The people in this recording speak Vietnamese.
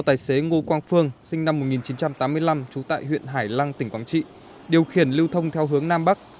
tài xế ngô quang phương sinh năm một nghìn chín trăm tám mươi năm trú tại huyện hải lăng tỉnh quảng trị điều khiển lưu thông theo hướng nam bắc